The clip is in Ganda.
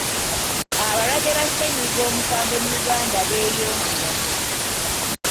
Abalwadde ba ssennyiga omukambwe mu Uganda beeyongera.